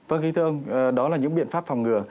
vâng thưa ông đó là những biện pháp phòng ngừa